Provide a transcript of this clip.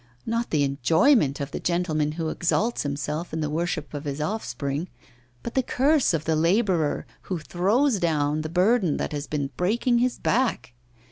Not the enjoyment of the gentleman who exalts himself in the worship of his offspring, but the curse of the labourer who throws down the burden that has been breaking his back.